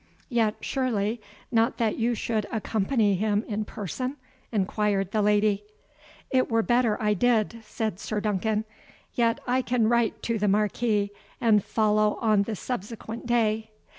"Yet, surely, not that you should accompany him in person?" enquired the lady. "It were better I did," said Sir Duncan; "yet I can write to the Marquis, and follow on the subsequent day.